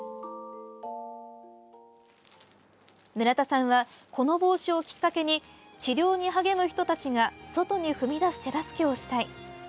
村田さんはこの帽子をきっかけに治療に励む人たちが外に踏み出す手助けをしたい。